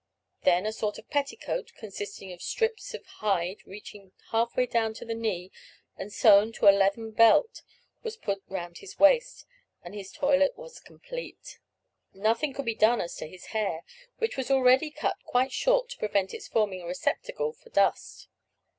Then a sort of petticoat, consisting of strips of hide reaching half way down to the knee and sewn to a leathern belt, was put round his waist, and his toilet was complete. Nothing could be done as to his hair, which was already cut quite short to prevent its forming a receptacle for dust.